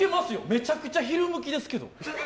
めちゃくちゃ昼向きですけど。